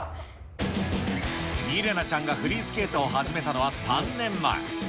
ミレナちゃんがフリースケートを始めたのは３年前。